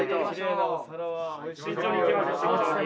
慎重にいきましょう慎重に。